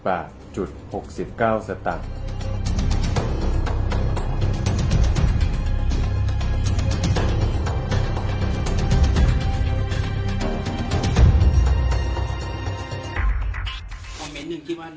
ขอให้เขาใช้ชื่อตัวเองรับบริจาคใช่ไหม